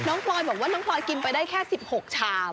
พลอยบอกว่าน้องพลอยกินไปได้แค่๑๖ชาม